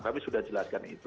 kami sudah jelaskan itu